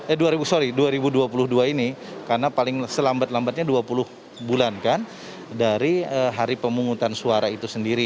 eh sorry dua ribu dua puluh dua ini karena paling selambat lambatnya dua puluh bulan kan dari hari pemungutan suara itu sendiri